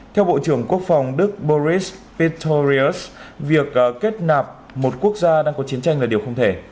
theo bộ trưởng quốc phòng đức boris petro rios việc kết nạp một quốc gia đang có chiến tranh là điều không thể